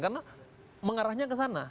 karena mengarahnya ke sana